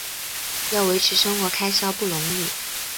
要维持生活开销不容易